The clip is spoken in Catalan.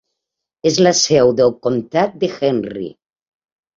És la seu del comtat de Henry.